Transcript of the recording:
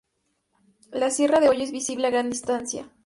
La sierra de Hoyo es visible a gran distancia.